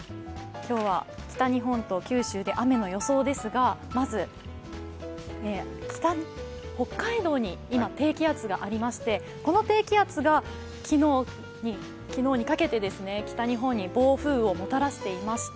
今日は北日本と九州で雨の予想ですがまず、北海道に今、低気圧がありまして、この低気圧が昨日にかけて北日本に暴風雨をもたらしていました。